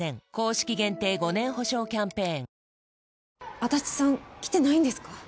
足立さん来てないんですか？